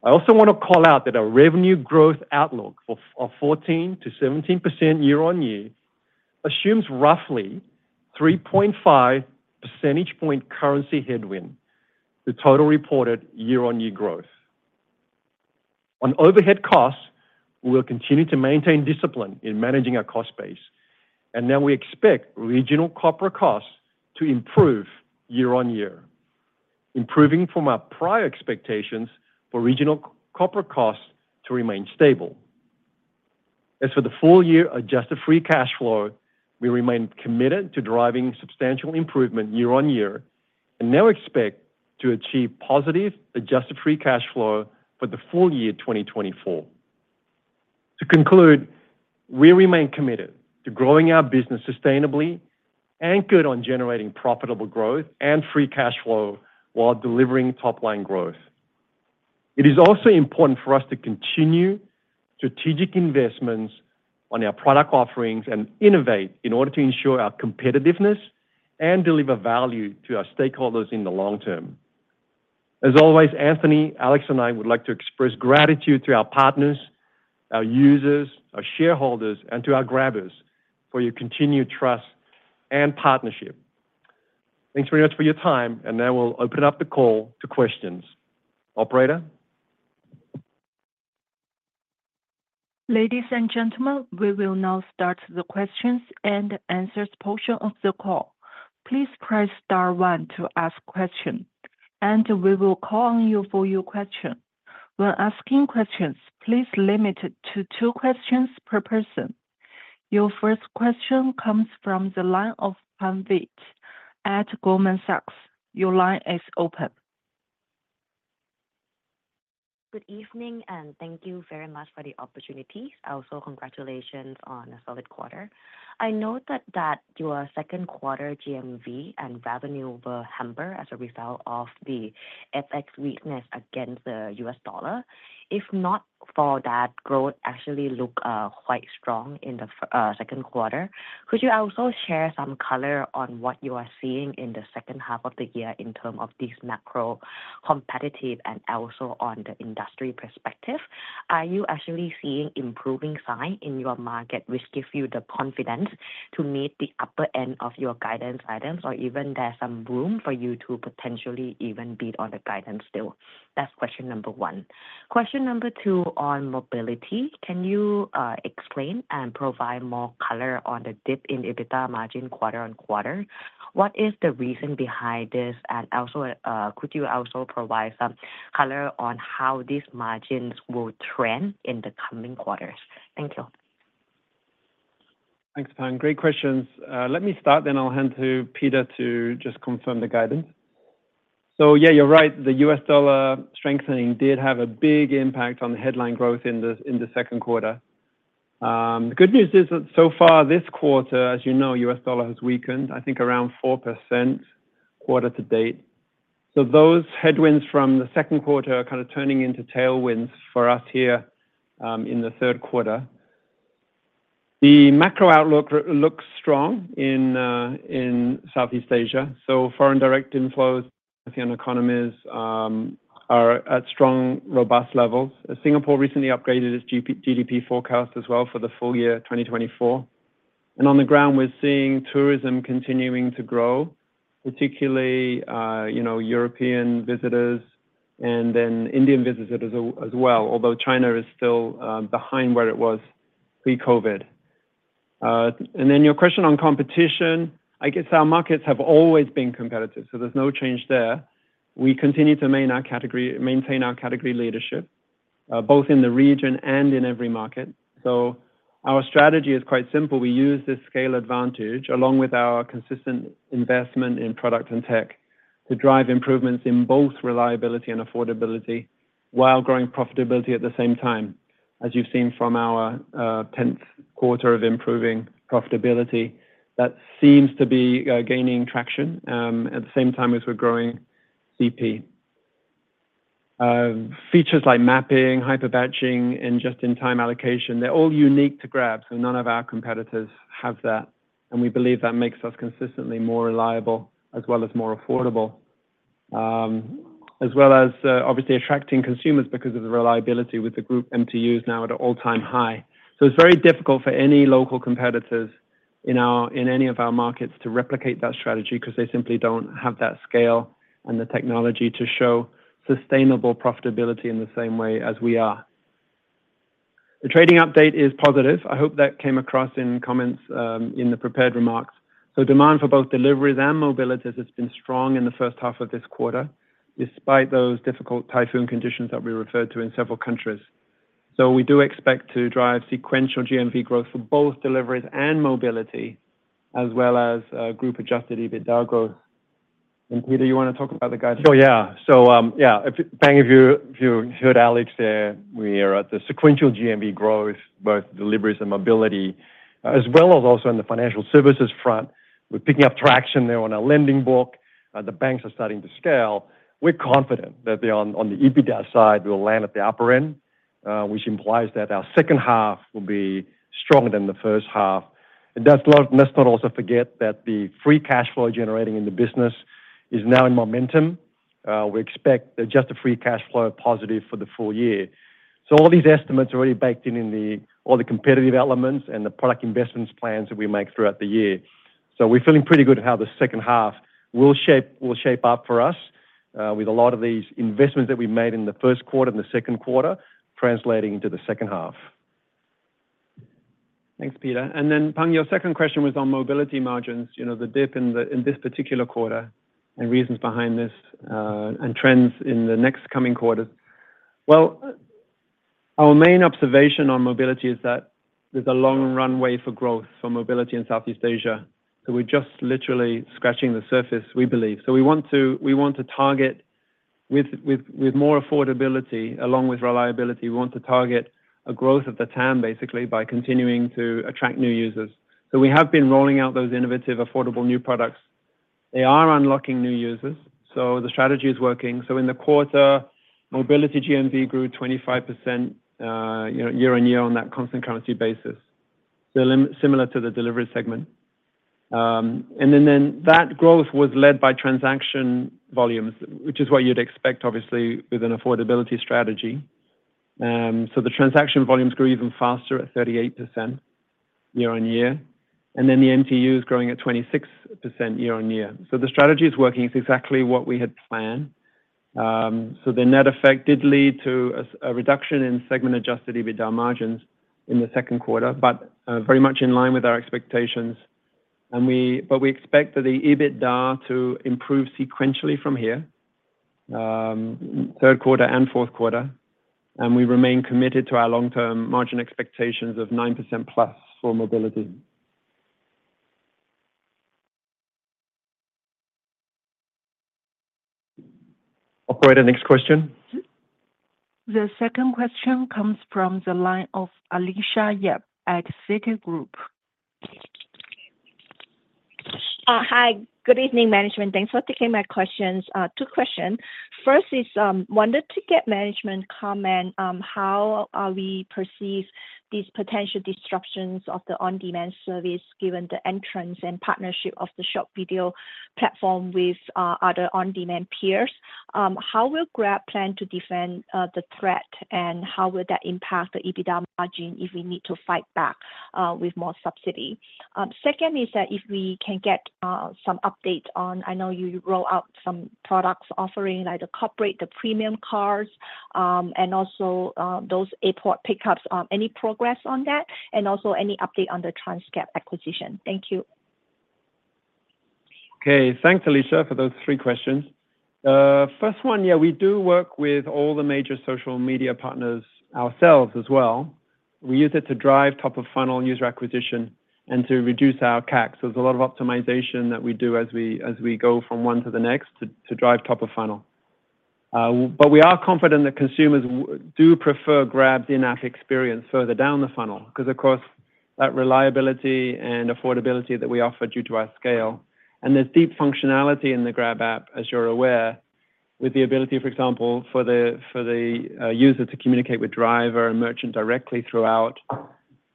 I also want to call out that our revenue growth outlook for of 14%-17% year-on-year assumes roughly 3.5 percentage points currency headwind, the total reported year-on-year growth. On overhead costs, we will continue to maintain discipline in managing our cost base, and now we expect regional corporate costs to improve year-on-year, improving from our prior expectations for regional corporate costs to remain stable. As for the full-year adjusted free cash flow, we remain committed to driving substantial improvement year-on-year and now expect to achieve positive adjusted free cash flow for the full year 2024. To conclude, we remain committed to growing our business sustainably, anchored on generating profitable growth and free cash flow while delivering top-line growth. It is also important for us to continue strategic investments on our product offerings and innovate in order to ensure our competitiveness and deliver value to our stakeholders in the long term. As always, Anthony, Alex, and I would like to express gratitude to our partners, our users, our shareholders, and to our Grabbers for your continued trust and partnership. Thanks very much for your time, and now we'll open up the call to questions. Operator? Ladies and gentlemen, we will now start the questions and answers portion of the call. Please press star one to ask question, and we will call on you for your question. When asking questions, please limit it to two questions per person. Your first question comes from the line of Pang Vitt at Goldman Sachs. Your line is open. Good evening, and thank you very much for the opportunity. Also, congratulations on a solid quarter. I know that, that your second quarter GMV and revenue were hampered as a result of the FX weakness against the US Dollar If not for that, growth actually look quite strong in the second quarter. Could you also share some color on what you are seeing in the second half of the year in term of this macro competitive and also on the industry perspective? Are you actually seeing improving sign in your market, which give you the confidence to meet the upper end of your guidance items, or even there's some room for you to potentially even beat on the guidance still? That's question number one. Question number two on mobility: Can you explain and provide more color on the dip in EBITDA margin quarter on quarter? What is the reason behind this? And also, could you also provide some color on how these margins will trend in the coming quarters? Thank you. Thanks, Pang. Great questions. Let me start, then I'll hand to Peter to just confirm the guidance. So yeah, you're right, the US dollar strengthening did have a big impact on the headline growth in the, in the second quarter. The good news is that so far this quarter, as you know, US dollar has weakened, I think, around 4% quarter to date. So those headwinds from the second quarter are kind of turning into tailwinds for us here, in the third quarter. The macro outlook looks strong in, in Southeast Asia, so foreign direct inflows, I think, on economies, are at strong, robust levels. Singapore recently upgraded its GDP forecast as well for the full year, 2024. On the ground, we're seeing tourism continuing to grow, particularly, you know, European visitors and then Indian visitors as well, although China is still behind where it was pre-COVID. And then your question on competition, I guess our markets have always been competitive, so there's no change there. We continue to maintain our category leadership, both in the region and in every market. So our strategy is quite simple. We use this scale advantage, along with our consistent investment in product and tech, to drive improvements in both reliability and affordability while growing profitability at the same time. As you've seen from our tenth quarter of improving profitability, that seems to be gaining traction, at the same time as we're growing CP. Features like mapping, Hyper Batching, and Just-in-Time Allocation, they're all unique to Grab, so none of our competitors have that. And we believe that makes us consistently more reliable as well as more affordable. As well as, obviously attracting consumers because of the reliability with the group MTUs now at an all-time high. So it's very difficult for any local competitors in any of our markets to replicate that strategy because they simply don't have that scale and the technology to show sustainable profitability in the same way as we are. The trading update is positive. I hope that came across in comments, in the prepared remarks. So demand for both deliveries and mobilities has been strong in the first half of this quarter, despite those difficult typhoon conditions that we referred to in several countries. We do expect to drive sequential GMV growth for both deliveries and mobility, as well as group-adjusted EBITDA growth. Peter, you want to talk about the guidance? Oh, yeah. So, yeah, if, Pang, if you heard Alex there, we are at the sequential GMV growth, both deliveries and mobility, as well as also in the financial services front. We're picking up traction there on our lending book. The banks are starting to scale. We're confident that on the EBITDA side, we'll land at the upper end, which implies that our second half will be stronger than the first half. And let's not also forget that the free cash flow generating in the business is now in momentum. We expect that just a free cash flow positive for the full year. So all these estimates are already baked in all the competitive elements and the product investments plans that we make throughout the year. So we're feeling pretty good how the second half will shape, will shape up for us, with a lot of these investments that we've made in the first quarter and the second quarter translating into the second half. Thanks, Peter. And then, Pang, your second question was on mobility margins, you know, the dip in this particular quarter and reasons behind this, and trends in the next coming quarters. Well, our main observation on mobility is that there's a long runway for growth for mobility in Southeast Asia, so we're just literally scratching the surface, we believe. So we want to, we want to target with, with, with more affordability, along with reliability, we want to target a growth of the TAM, basically, by continuing to attract new users. So we have been rolling out those innovative, affordable new products. They are unlocking new users, so the strategy is working. So in the quarter, mobility GMV grew 25%, you know, year-on-year on that constant currency basis. Similar to the delivery segment.... And then that growth was led by transaction volumes, which is what you'd expect, obviously, with an affordability strategy. So the transaction volumes grew even faster at 38% year-on-year, and then the MTU is growing at 26% year-on-year. So the strategy is working. It's exactly what we had planned. So the net effect did lead to a reduction in segment-adjusted EBITDA margins in the second quarter, but very much in line with our expectations. But we expect that the EBITDA to improve sequentially from here, third quarter and fourth quarter, and we remain committed to our long-term margin expectations of +9% for mobility. Operator, next question. The second question comes from the line of Alicia Yap at Citigroup. Hi, good evening, management. Thanks for taking my questions. Two question. First is, wanted to get management comment, how we perceive these potential disruptions of the on-demand service, given the entrance and partnership of the short video platform with other on-demand peers. How will Grab plan to defend the threat? And how will that impact the EBITDA margin if we need to fight back with more subsidy? Second is that if we can get some update on-- I know you roll out some products offering, like the corporate, the premium cards, and also those airport pickups. Any progress on that? And also any update on the Trans-Cab acquisition. Thank you. Okay. Thanks, Alicia, for those three questions. First one, yeah, we do work with all the major social media partners ourselves as well. We use it to drive top-of-funnel user acquisition and to reduce our CAC. So there's a lot of optimization that we do as we, as we go from one to the next, to, to drive top-of-funnel. But we are confident that consumers do prefer Grab's in-app experience further down the funnel, 'cause, of course, that reliability and affordability that we offer due to our scale. And there's deep functionality in the Grab app, as you're aware, with the ability, for example, for the user to communicate with driver and merchant directly throughout.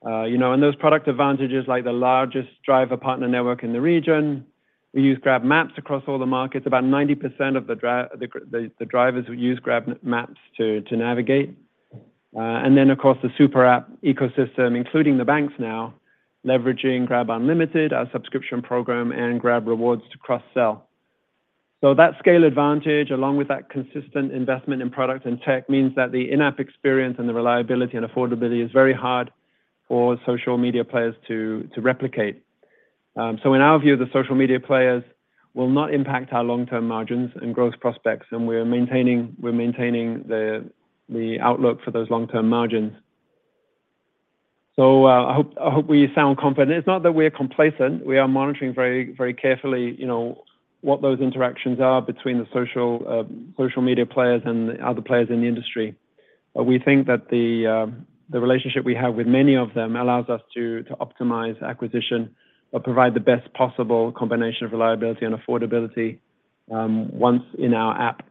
You know, and those product advantages, like the largest driver partner network in the region. We use GrabMaps across all the markets. About 90% of the drivers use GrabMaps to navigate. And then, of course, the superapp ecosystem, including the banks now, leveraging GrabUnlimited, our subscription program, and GrabRewards to cross-sell. So that scale advantage, along with that consistent investment in product and tech, means that the in-app experience and the reliability and affordability is very hard for social media players to replicate. So in our view, the social media players will not impact our long-term margins and growth prospects, and we're maintaining the outlook for those long-term margins. So, I hope we sound confident. It's not that we're complacent. We are monitoring very, very carefully, you know, what those interactions are between the social media players and other players in the industry. But we think that the relationship we have with many of them allows us to, to optimize acquisition or provide the best possible combination of reliability and affordability, once in our app.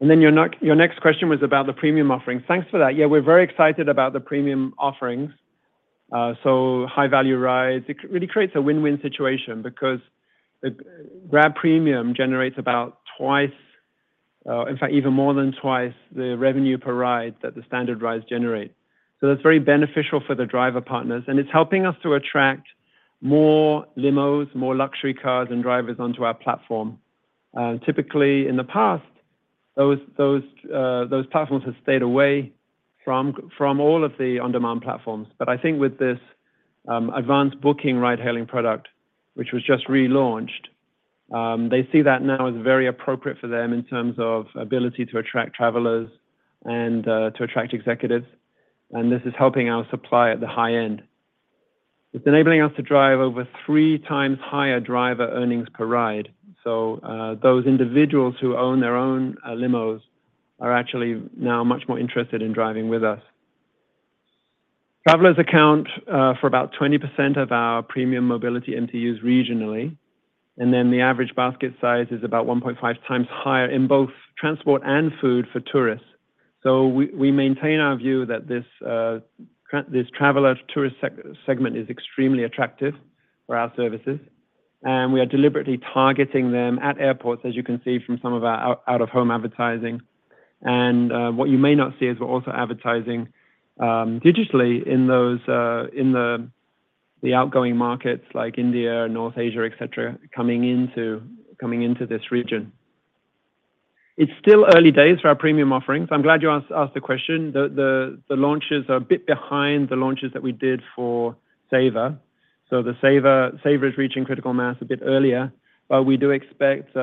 And then your next question was about the premium offerings. Thanks for that. Yeah, we're very excited about the premium offerings. So high-value rides, it really creates a win-win situation because the Grab Premium generates about twice, in fact, even more than twice the revenue per ride that the standard rides generate. So that's very beneficial for the driver partners, and it's helping us to attract more limos, more luxury cars and drivers onto our platform. Typically, in the past, those platforms have stayed away from all of the on-demand platforms. But I think with this, advanced booking ride-hailing product, which was just relaunched, they see that now as very appropriate for them in terms of ability to attract travelers and, to attract executives, and this is helping our supply at the high end. It's enabling us to drive over three times higher driver earnings per ride. So, those individuals who own their own, limos are actually now much more interested in driving with us. Travelers account, for about 20% of our premium mobility MTUs regionally, and then the average basket size is about 1.5 times higher in both transport and food for tourists. So we maintain our view that this traveler tourist segment is extremely attractive for our services, and we are deliberately targeting them at airports, as you can see from some of our out-of-home advertising. What you may not see is we're also advertising digitally in those in the outgoing markets like India, North Asia, et cetera, coming into this region. It's still early days for our premium offerings. I'm glad you asked the question. The launches are a bit behind the launches that we did for Saver. So the Saver is reaching critical mass a bit earlier, but we do expect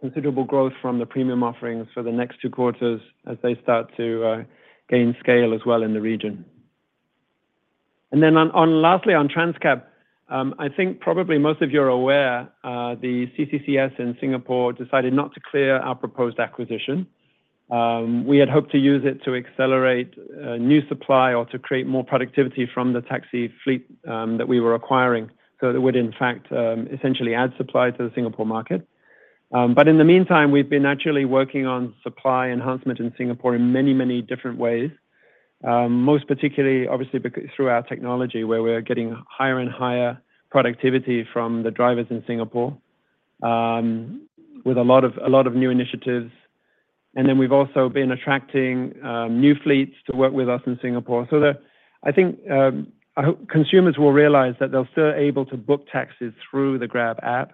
considerable growth from the premium offerings for the next two quarters as they start to gain scale as well in the region. And then lastly, on Trans-Cab, I think probably most of you are aware, the CCCS in Singapore decided not to clear our proposed acquisition. We had hoped to use it to accelerate new supply or to create more productivity from the taxi fleet that we were acquiring, so that would, in fact, essentially add supply to the Singapore market.... But in the meantime, we've been actually working on supply enhancement in Singapore in many, many different ways. Most particularly, obviously, through our technology, where we are getting higher and higher productivity from the drivers in Singapore, with a lot of new initiatives. And then we've also been attracting new fleets to work with us in Singapore. So I think, I hope consumers will realize that they're still able to book taxis through the Grab app.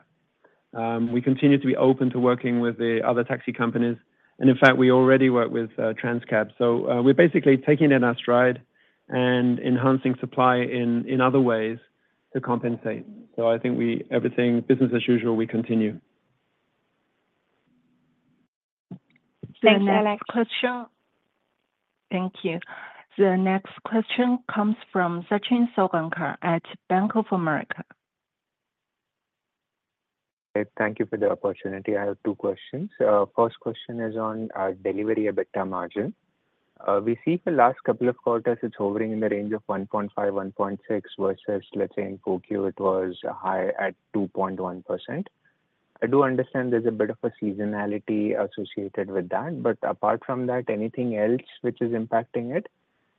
We continue to be open to working with the other taxi companies, and in fact, we already work with Trans-Cab. So, we're basically taking it in our stride and enhancing supply in other ways to compensate. So I think everything, business as usual, we continue. Thanks, Alex. The next question, thank you. The next question comes from Sachin Salgaonkar at Bank of America. Thank you for the opportunity. I have two questions. First question is on our delivery EBITDA margin. We see the last couple of quarters, it's hovering in the range of 1.5%-1.6%, versus, let's say, in 4Q, it was higher at 2.1%. I do understand there's a bit of a seasonality associated with that, but apart from that, anything else which is impacting it?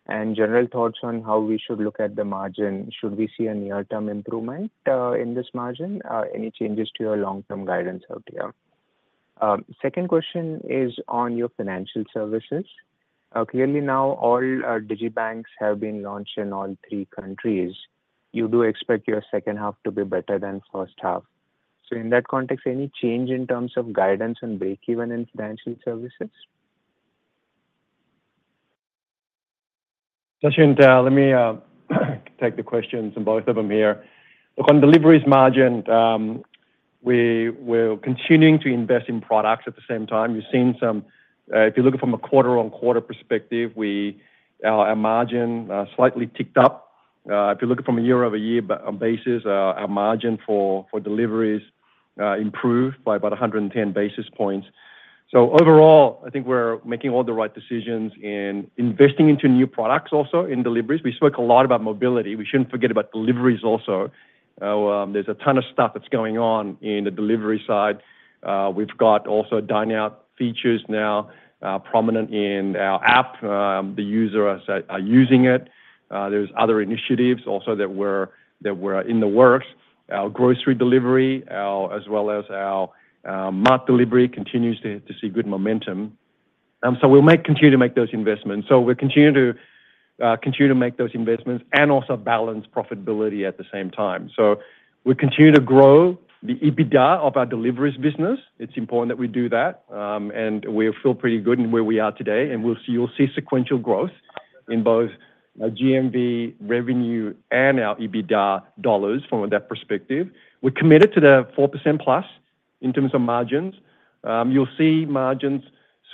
And general thoughts on how we should look at the margin. Should we see a near-term improvement in this margin? Any changes to your long-term guidance out here? Second question is on your financial services. Clearly now, all our digibanks have been launched in all three countries. You do expect your second half to be better than first half. So in that context, any change in terms of guidance and breakeven in financial services? Sachin, let me take the questions, and both of them here. Look, on deliveries margin, we're continuing to invest in products at the same time. We've seen some... If you look from a quarter-on-quarter perspective, our margin slightly ticked up. If you look at it from a year-over-year basis, our margin for deliveries improved by about 110 basis points. So overall, I think we're making all the right decisions and investing into new products also in deliveries. We spoke a lot about mobility. We shouldn't forget about deliveries also. There's a ton of stuff that's going on in the delivery side. We've got also Dine Out features now, prominent in our app. The users are using it. There's other initiatives also that were in the works. Our grocery delivery, as well as our mart delivery, continues to see good momentum. So we'll continue to make those investments. So we'll continue to make those investments and also balance profitability at the same time. So we continue to grow the EBITDA of our deliveries business. It's important that we do that, and we feel pretty good in where we are today, and you'll see sequential growth in both our GMV revenue and our EBITDA dollars from that perspective. We're committed to the +4% in terms of margins. You'll see margins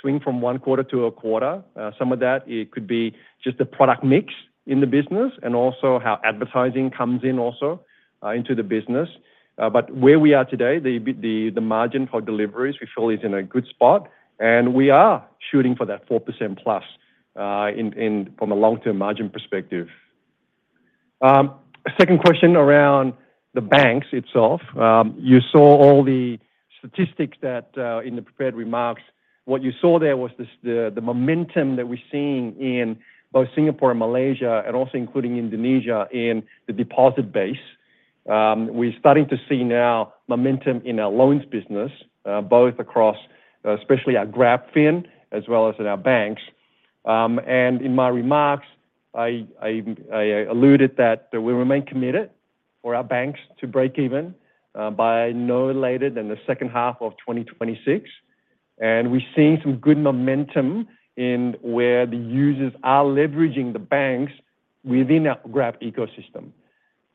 swing from one quarter to a quarter. Some of that, it could be just the product mix in the business and also how advertising comes in also into the business. But where we are today, the margin for deliveries, we feel is in a good spot, and we are shooting for that +4%, from a long-term margin perspective. Second question, around the banks itself. You saw all the statistics that in the prepared remarks. What you saw there was the momentum that we're seeing in both Singapore and Malaysia and also including Indonesia, in the deposit base. We're starting to see now momentum in our loans business, both across, especially our GrabFin, as well as in our banks. And in my remarks, I alluded that we remain committed for our banks to break even, by no later than the second half of 2026. We're seeing some good momentum in where the users are leveraging the banks within our Grab ecosystem.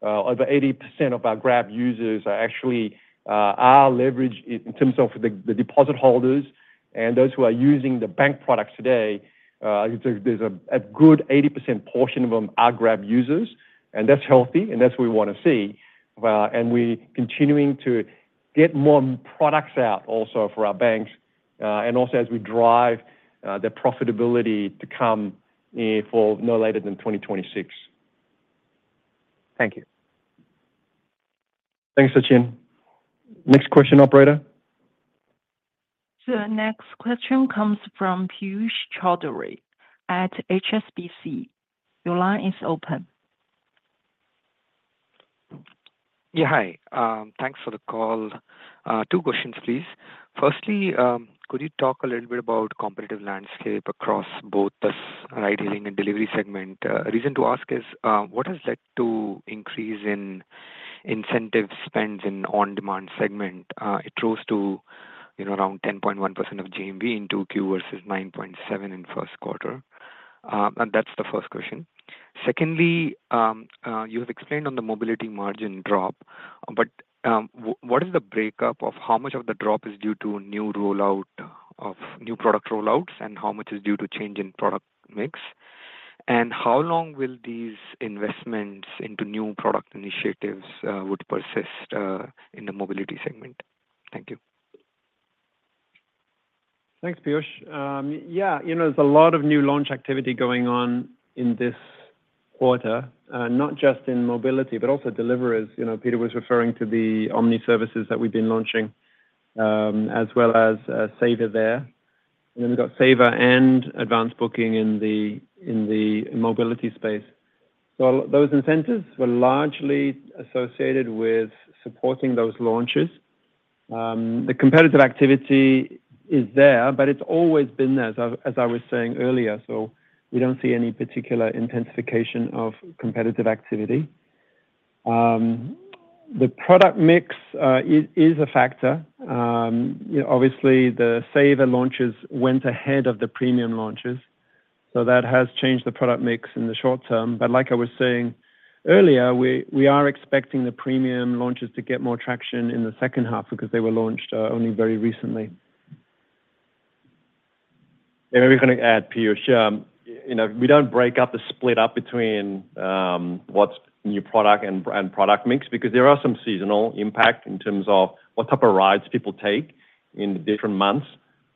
Over 80% of our Grab users are actually leveraged in terms of the deposit holders and those who are using the bank products today. There's a good 80% portion of them are Grab users, and that's healthy, and that's what we want to see. We're continuing to get more products out also for our banks, and also as we drive the profitability to come for no later than 2026. Thank you. Thanks, Sachin. Next question, operator? The next question comes from Piyush Choudhary at HSBC. Your line is open. Yeah, hi. Thanks for the call. Two questions, please. Firstly, could you talk a little bit about competitive landscape across both the ride-hailing and delivery segment? Reason to ask is, what has led to increase in incentive spends in on-demand segment? It rose to, you know, around 10.1% of GMV in 2Q versus 9.7% in first quarter. And that's the first question. Secondly, you have explained on the mobility margin drop, but, what is the breakdown of how much of the drop is due to new product rollouts, and how much is due to change in product mix? And how long will these investments into new product initiatives would persist in the mobility segment? Thank you.... Thanks, Piyush. Yeah, you know, there's a lot of new launch activity going on in this quarter, not just in mobility, but also deliveries. You know, Peter was referring to the omni services that we've been launching, as well as, Saver there. And then we've got Saver and Advance Booking in the mobility space. So those incentives were largely associated with supporting those launches. The competitive activity is there, but it's always been there, as I was saying earlier, so we don't see any particular intensification of competitive activity. The product mix is a factor. You know, obviously, the Saver launches went ahead of the Premium launches, so that has changed the product mix in the short term. Like I was saying earlier, we are expecting the Premium launches to get more traction in the second half because they were launched only very recently. And maybe I'm going to add, Piyush, you know, we don't break up the split up between what's new product and product mix because there are some seasonal impact in terms of what type of rides people take in the different months,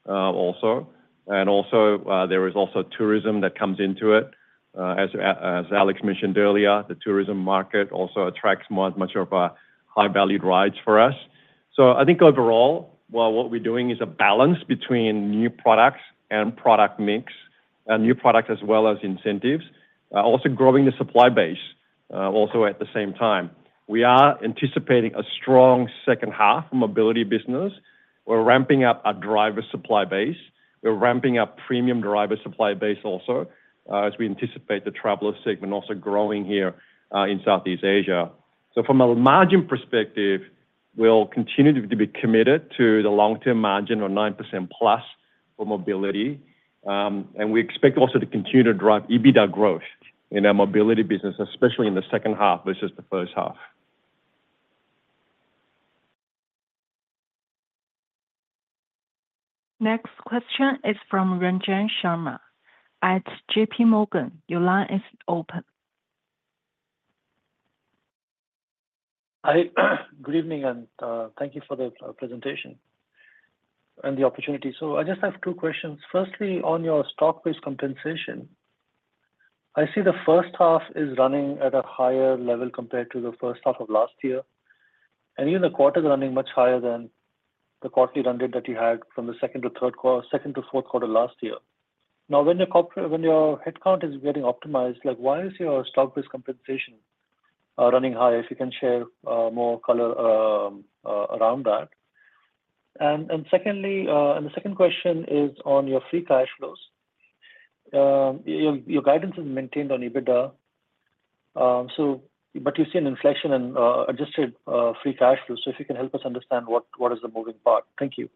also. Also, there is also tourism that comes into it. As Alex mentioned earlier, the tourism market also attracts much, much of a high-valued rides for us. So I think overall, while what we're doing is a balance between new products and product mix and new product as well as incentives, also growing the supply base, also at the same time. We are anticipating a strong second half mobility business. We're ramping up our driver supply base. We're ramping up premium driver supply base also, as we anticipate the traveler segment also growing here, in Southeast Asia. So from a margin perspective, we'll continue to be committed to the long-term margin of +9% for mobility. And we expect also to continue to drive EBITDA growth in our mobility business, especially in the second half versus the first half. Next question is from Ranjan Sharma at J.P. Morgan. Your line is open. Hi. Good evening, and, thank you for the presentation and the opportunity. So I just have two questions. Firstly, on your stock-based compensation, I see the first half is running at a higher level compared to the first half of last year, and even the quarter is running much higher than the quarterly run rate that you had from the second to third quarter, second to fourth quarter last year. Now, when your corporate, when your headcount is getting optimized, like, why is your stock-based compensation running high? If you can share more color around that. And, and secondly, and the second question is on your free cash flows. Your guidance is maintained on EBITDA, so, but you see an inflection in adjusted free cash flow. If you can help us understand what is the moving part? Thank you.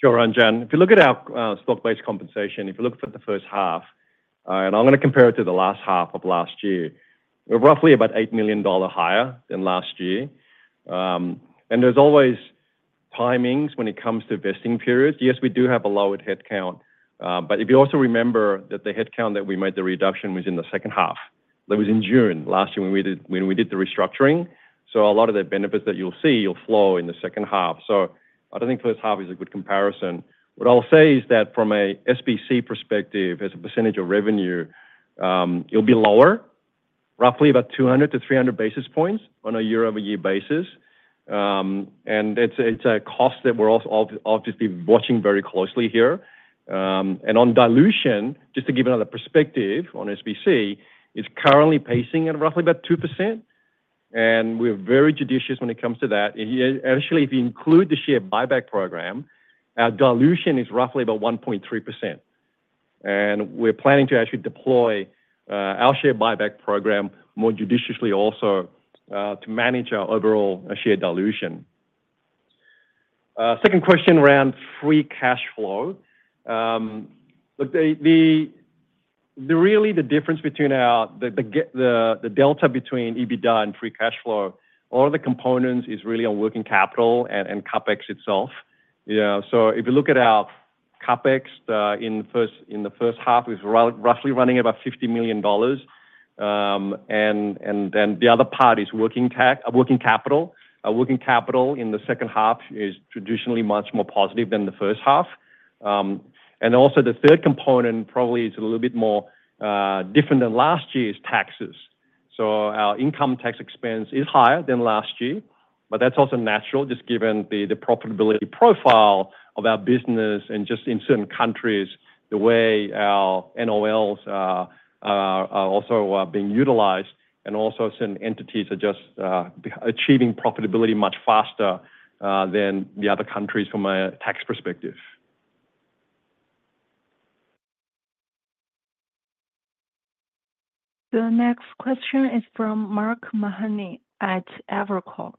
Sure, Ranjan. If you look at our stock-based compensation, if you look at the first half, and I'm going to compare it to the last half of last year, we're roughly about $8 million higher than last year. And there's always timings when it comes to vesting periods. Yes, we do have a lower headcount, but if you also remember that the headcount that we made, the reduction was in the second half. That was in June last year, when we did the restructuring. So a lot of the benefits that you'll see will flow in the second half. So I don't think first half is a good comparison. What I'll say is that from a SBC perspective, as a percentage of revenue, it'll be lower, roughly about 200-300 basis points on a year-over-year basis. And it's a cost that we're also obviously watching very closely here. And on dilution, just to give another perspective on SBC, it's currently pacing at roughly about 2%, and we're very judicious when it comes to that. And actually, if you include the share buyback program, our dilution is roughly about 1.3%. And we're planning to actually deploy our share buyback program more judiciously also to manage our overall share dilution. Second question around free cash flow. Look, the really the difference between our the delta between EBITDA and free cash flow, all the components is really on working capital and CapEx itself. You know, so if you look at our CapEx in the first half, it's roughly running about $50 million. And then the other part is working capital. Working capital in the second half is traditionally much more positive than the first half. And also, the third component probably is a little bit more different than last year's taxes. So our income tax expense is higher than last year, but that's also natural, just given the profitability profile of our business and just in certain countries, the way our NOLs are also being utilized, and also certain entities are just achieving profitability much faster than the other countries from a tax perspective. The next question is from Mark Mahaney at Evercore.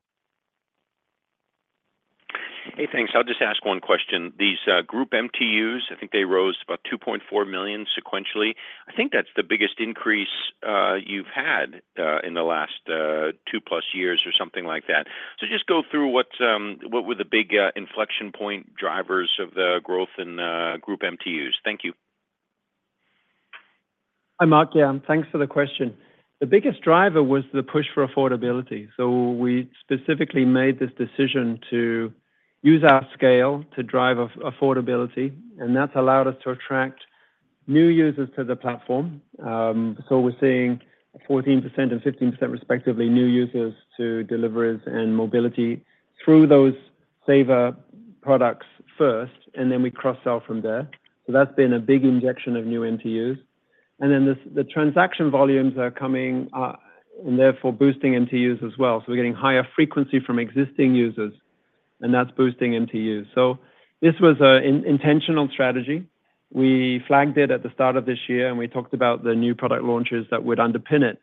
Hey, thanks. I'll just ask one question. These, group MTUs, I think they rose about 2.4 million sequentially. I think that's the biggest increase, you've had, in the last, +2 years or something like that. So just go through what, what were the big, inflection point drivers of the growth in, group MTUs? Thank you. Hi, Mark. Yeah, thanks for the question. The biggest driver was the push for affordability. So we specifically made this decision to use our scale to drive affordability, and that's allowed us to attract new users to the platform. So we're seeing 14% and 15%, respectively, new users to deliveries and mobility through those saver products first, and then we cross-sell from there. So that's been a big injection of new NTUs. Then the transaction volumes are coming, and therefore boosting MTUs as well. So we're getting higher frequency from existing users, and that's boosting MTUs. So this was an intentional strategy. We flagged it at the start of this year, and we talked about the new product launches that would underpin it,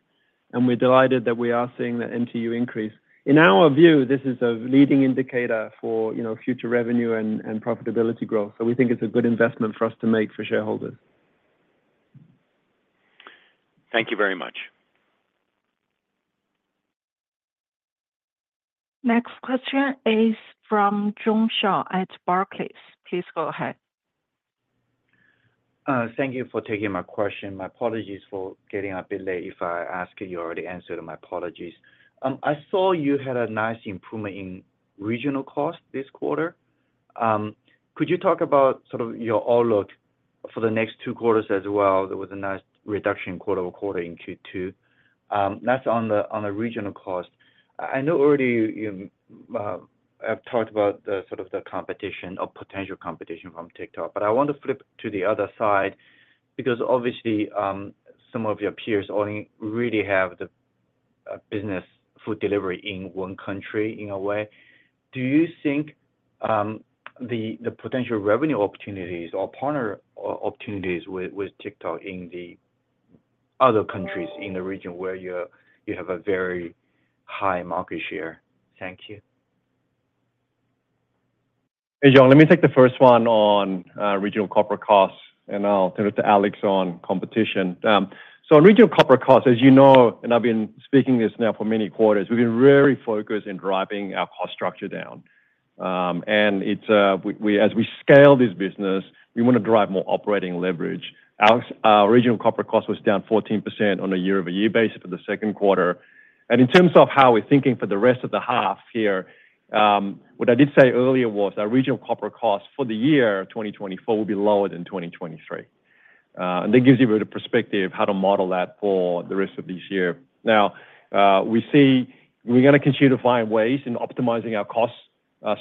and we're delighted that we are seeing the MTU increase. In our view, this is a leading indicator for, you know, future revenue and profitability growth, so we think it's a good investment for us to make for shareholders. Thank you very much. Next question is from Jiong Shao at Barclays. Please go ahead. Thank you for taking my question. My apologies for getting a bit late. If I ask and you already answered, my apologies. I saw you had a nice improvement in regional cost this quarter. Could you talk about sort of your outlook for the next two quarters as well? There was a nice reduction quarter over quarter in Q2. That's on the regional cost. I know already you have talked about the sort of the competition or potential competition from TikTok, but I want to flip to the other side, because obviously, some of your peers only really have the business food delivery in one country, in a way. Do you think the potential revenue opportunities or partner opportunities with TikTok in the other countries in the region where you have a very high market share? Thank you. Hey, Jiong, let me take the first one on regional corporate costs, and I'll turn it to Alex on competition. So regional corporate costs, as you know, and I've been speaking this now for many quarters, we've been very focused in driving our cost structure down. And it's, as we scale this business, we want to drive more operating leverage. Alex, our regional corporate cost was down 14% on a year-over-year basis for the second quarter. And in terms of how we're thinking for the rest of the half year, what I did say earlier was our regional corporate cost for the year 2024 will be lower than 2023. And that gives you a bit of perspective how to model that for the rest of this year. Now, we see we're gonna continue to find ways in optimizing our cost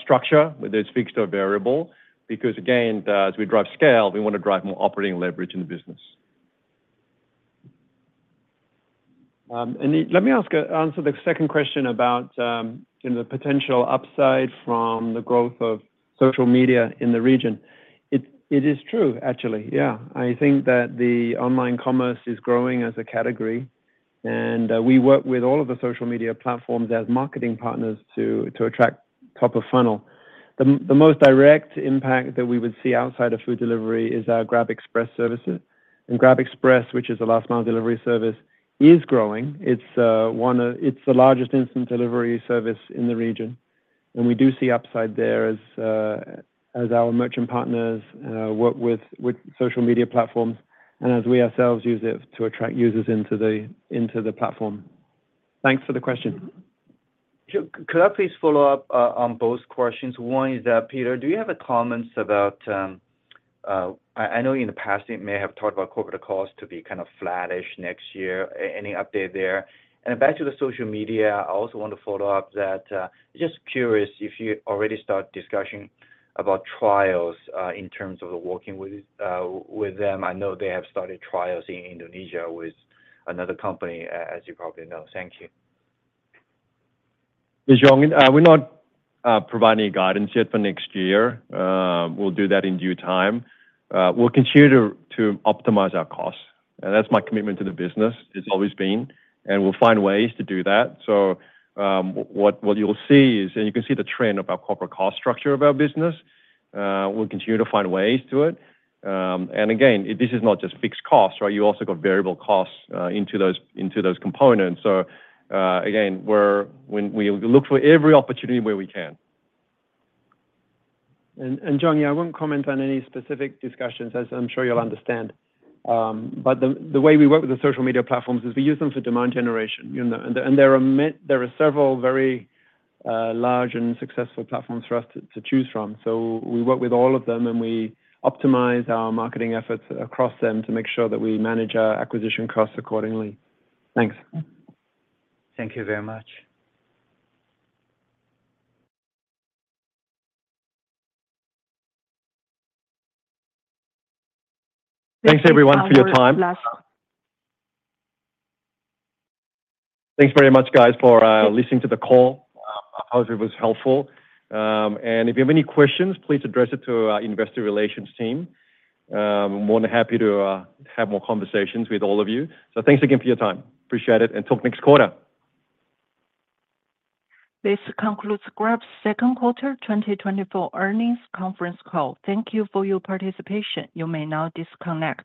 structure, whether it's fixed or variable, because, again, as we drive scale, we want to drive more operating leverage in the business. And let me answer the second question about, you know, the potential upside from the growth of social media in the region. It is true, actually. Yeah. I think that the online commerce is growing as a category, and we work with all of the social media platforms as marketing partners to attract top of funnel. The most direct impact that we would see outside of food delivery is our GrabExpress services. And GrabExpress, which is a last-mile delivery service, is growing. It's the largest instant delivery service in the region, and we do see upside there as our merchant partners work with social media platforms and as we ourselves use it to attract users into the platform. Thanks for the question. Could I please follow up on both questions? One is that, Peter, do you have any comments about... I know in the past you may have talked about corporate costs to be kind of flattish next year. Any update there? And back to the social media, I also want to follow up that, just curious if you already start discussing about trials, in terms of working with them. I know they have started trials in Indonesia with another company, as you probably know. Thank you. Hey, Jiong, we're not providing any guidance yet for next year. We'll do that in due time. We'll continue to optimize our costs, and that's my commitment to the business. It's always been, and we'll find ways to do that. So, what you'll see is, and you can see the trend of our corporate cost structure of our business. We'll continue to find ways to it. And again, this is not just fixed costs, right? You also got variable costs into those components. So, again, we're when we look for every opportunity where we can. and Zhong, yeah, I won't comment on any specific discussions, as I'm sure you'll understand. But the way we work with the social media platforms is we use them for demand generation, you know, and there are several very large and successful platforms for us to choose from. So we work with all of them, and we optimize our marketing efforts across them to make sure that we manage our acquisition costs accordingly. Thanks. Thank you very much. Thanks, everyone, for your time. Last- Thanks very much, guys, for listening to the call. I hope it was helpful. And if you have any questions, please address it to our investor relations team. More than happy to have more conversations with all of you. So thanks again for your time. Appreciate it, and till next quarter. This concludes Grab's second quarter 2024 earnings conference call. Thank you for your participation. You may now disconnect.